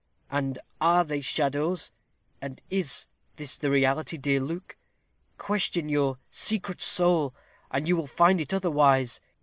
"And are they shadows; and is this the reality, dear Luke? Question your secret soul, and you will find it otherwise.